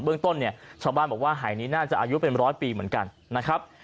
เรื่องต้นเนี่ยชาวบ้านบอกว่าหายนี้น่าจะอายุเป็นร้อยปีเหมือนกันนะครับ